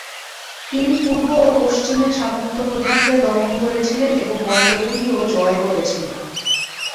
তিনি পূর্ব ও পশ্চিমের সামন্তপ্রধানদের দমন করেছিলেন এবং মল্লপুরীও জয় করেছিলেন।